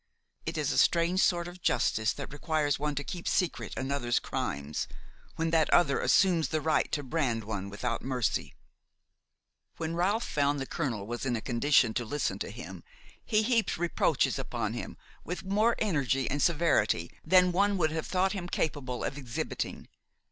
It is a strange sort of justice that requires one to keep secret another's crimes, when that other assumes the right to brand one without mercy!" When Ralph found the colonel was in a condition to listen to him, he heaped reproaches upon him with more energy and severity than one would have thought him capable of exhibiting.